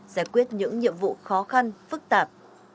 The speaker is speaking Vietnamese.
giải quyết những nhiệm vụ khó khăn phức tạp